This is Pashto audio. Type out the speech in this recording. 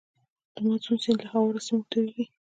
د مازون سیند له هوارو سیمو تویږي.